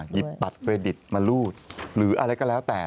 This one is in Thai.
หยิบบัตรเครดิตมารูดหรืออะไรก็แล้วแต่